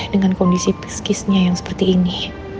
dengan kondisi pis kisnya yang seperti ini